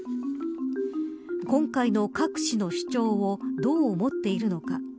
今回のカク氏の主張をどう思っているのか。